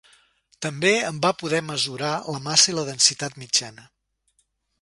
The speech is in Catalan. També en va poder mesurar la massa i la densitat mitjana.